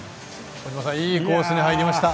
いいコースに入りました。